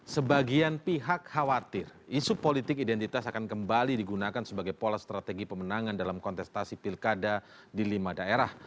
sebagian pihak khawatir isu politik identitas akan kembali digunakan sebagai pola strategi pemenangan dalam kontestasi pilkada di lima daerah